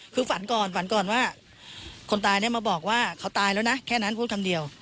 คือฝันก่อนฝันก่อนว่าคนตายเนี่ยมาบอกว่าเขาตายแล้วนะแค่นั้นพูดคำเดียว